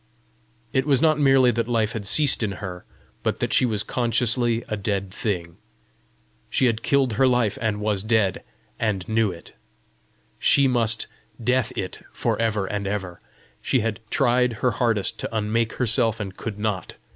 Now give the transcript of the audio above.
It was not merely that life had ceased in her, but that she was consciously a dead thing. She had killed her life, and was dead and knew it. She must DEATH IT for ever and ever! She had tried her hardest to unmake herself, and could not!